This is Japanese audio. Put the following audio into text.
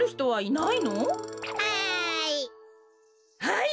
はい！